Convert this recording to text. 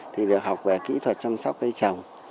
thì được học về kỹ thuật chăm sóc cây trồng